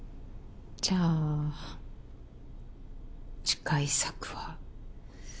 じゃあ次回作は。